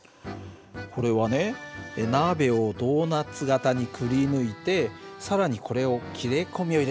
これはね鍋をドーナツ型にくりぬいて更にこれを切れ込みを入れたんだよ。